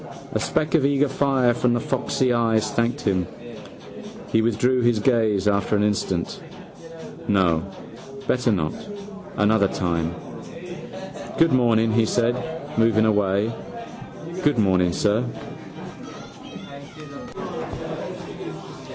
A speck of eager fire from foxeyes thanked him. He withdrew his gaze after an instant. No: better not: another time. —Good morning, he said, moving away. —Good morning, sir.